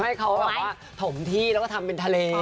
ให้เขาแบบว่าถมที่แล้วก็ทำเป็นทะเล